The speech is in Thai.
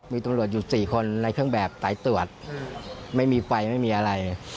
มีตำรวจอยู่๔คนในเครื่องแบบสายตรวจไม่มีไฟไม่มีอะไร